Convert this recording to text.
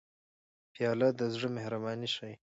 پیاله د زړه مهرباني ښيي.